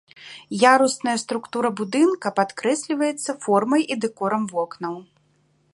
Ярусная структура будынка падкрэсліваецца формай і дэкорам вокнаў.